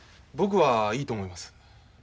僕はいいと思います。